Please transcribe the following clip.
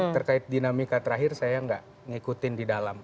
terkait dinamika terakhir saya nggak ngikutin di dalam